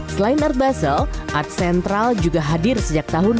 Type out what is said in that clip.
selain art basel art central juga hadir sejak tahun dua ribu lima belas